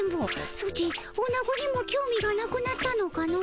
ソチおなごにもきょう味がなくなったのかの？